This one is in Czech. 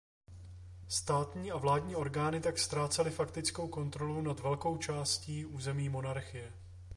Státní a vládní orgány tak ztrácely faktickou kontrolu nad velkou částí území monarchie.